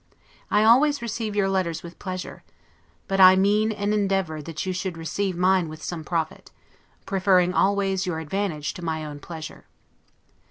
I always receive your letters with pleasure; but I mean, and endeavor, that you should receive mine with some profit; preferring always your advantage to my own pleasure.